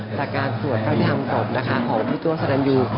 จากการสวดเก้าที่ทางศพนะคะของพี่ตัวสนั่นอยู่